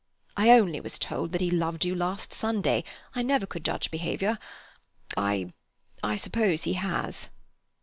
"I only was told that he loved you last Sunday. I never could judge behaviour. I—I—suppose he has."